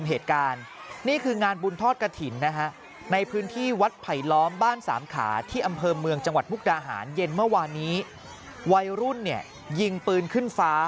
เอาบุญกระถิ่นไปทอดไกลถึงมุกดาหารนะฮะ